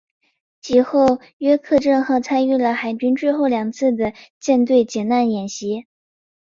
及后约克镇号参与了海军最后两次的舰队解难演习。